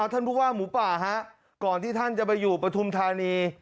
ท่านผู้ว่าหมูป่าฮะก่อนที่ท่านจะไปอยู่ปฐุมธานี